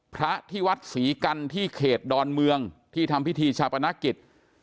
พระที่วัดศรีกันที่เขตดอนเมืองที่ทำพิธีชาปนกิจ